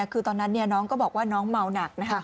คือตอนนั้นน้องก็บอกว่าน้องเมาหนักนะคะ